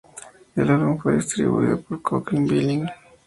El álbum fue distribuido por Cooking Vinyl.